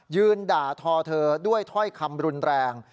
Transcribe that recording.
ยืนด่าทอเธอด้วยถ้อยคำรุนแรง